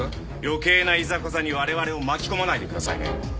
余計ないざこざにわれわれを巻き込まないでくださいね。